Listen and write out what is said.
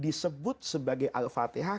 disebut sebagai al fatihah